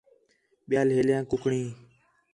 ٻِیال ہیلیاں کُکڑیں